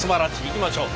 いきましょう。